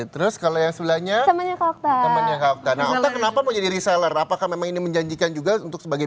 terus kalau yang sebelahnya kenapa menjadi reseller apakah memang ini menjanjikan juga untuk sebagai